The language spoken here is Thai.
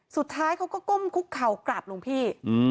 สุดท้ายเขาก็ก้มคุกเข่ากราบหลวงพี่